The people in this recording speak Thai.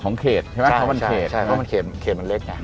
ของเขตใช่ไหมเพราะเขตมันเล็ก